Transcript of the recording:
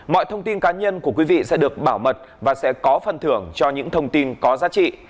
mọi thông tin cá nhân của quý vị sẽ được bảo mật và sẽ có phần thưởng cho những thông tin có giá trị